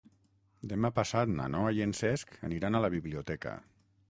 Demà passat na Noa i en Cesc aniran a la biblioteca.